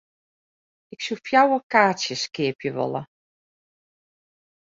Ik soe fjouwer kaartsjes keapje wolle.